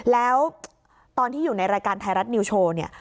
แล้วตอนที่อยู่ในรายการไทยรัฐนิวโชว์เนี่ย